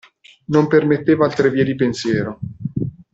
Non permetteva altre vie di pensiero.